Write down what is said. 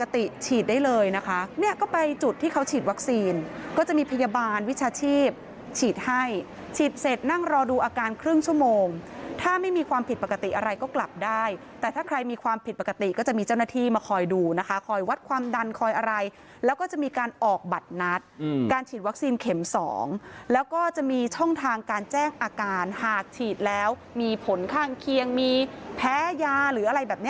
ฉีดได้เลยนะคะเนี่ยก็ไปจุดที่เขาฉีดวัคซีนก็จะมีพยาบาลวิชาชีพฉีดให้ฉีดเสร็จนั่งรอดูอาการครึ่งชั่วโมงถ้าไม่มีความผิดปกติอะไรก็กลับได้แต่ถ้าใครมีความผิดปกติก็จะมีเจ้าหน้าที่มาคอยดูนะคะคอยวัดความดันคอยอะไรแล้วก็จะมีการออกบัตรนัดการฉีดวัคซีนเข็ม๒แล้วก็จะมีช่องทางการแจ้งอาการหากฉีดแล้วมีผลข้างเคียงมีแพ้ยาหรืออะไรแบบนี้